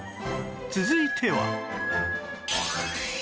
続いては